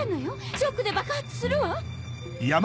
ショックで爆発するわ。